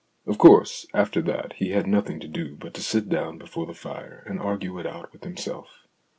Of course, after that he had nothing to do but to sit down before the fire and argue it out with him self.